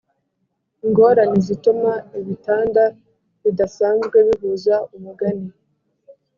ingorane zituma ibitanda bidasanzwe bihuza umugani